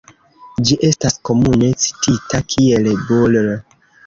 Ĝi estas komune citita kiel "Bull.